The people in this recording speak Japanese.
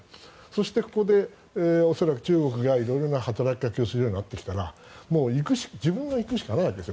そして、ここで恐らく中国が色々な働きかけをするようになってきたら自分が行くしかないわけです。